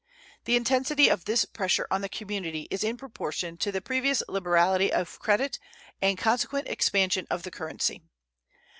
The intensity of this pressure on the community is in proportion to the previous liberality of credit and consequent expansion of the currency.